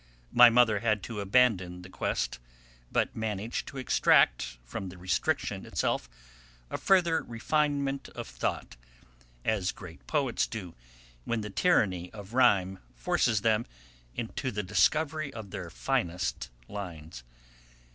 My mother had to abandon the quest, but managed to extract from the restriction itself a further refinement of thought, as great poets do when the tyranny of rhyme forces them into the discovery of their finest lines.